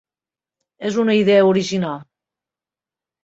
És una idea original.